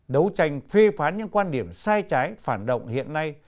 đấu tranh phê phán những quan điểm sai trái phản động hiện nay